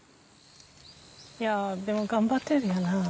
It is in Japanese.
いやでも頑張ってるんやな。